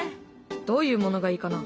どういうものがいいかな？